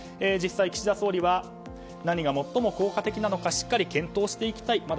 実際、岸田総理は何が最も効果的なのかしっかり検討していきたい。